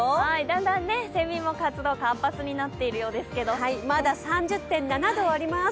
だんだんせみも活動が活発になっているようですけどまだ３０．７度あります。